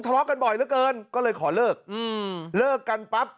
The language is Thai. ทะเลาะกันบ่อยเหลือเกินก็เลยขอเลิกอืมเลิกกันปั๊บ